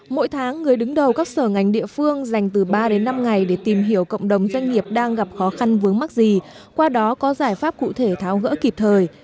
mỗi tháng người đứng đầu các sở ngành địa phương dành từ ba đến năm ngày để tìm hiểu cộng đồng doanh nghiệp đang gặp khó khăn vướng mắc gì qua đó có giải pháp cụ thể tháo gỡ kịp thời